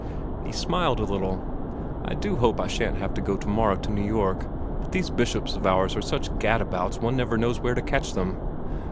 He smiled a little. "I do hope I shan't have to go on tomorrow to New York; but these Bishops of ours are such gad abouts one never knows where to catch them.